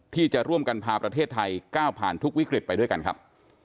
ที่จะร่วมกันพาประเทศไทยก้าวผ่านทุกวิกฤตไปด้วยกันครับ